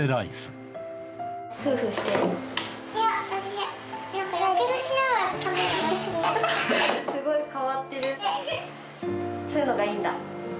そういうのがいいんだ。